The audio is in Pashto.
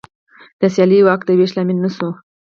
د سیاسي واک د وېش لامل نه شو.